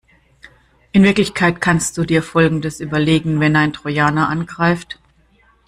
In Wirklichkeit kannst du dir Folgendes überlegen, wenn ein Trojaner angreift.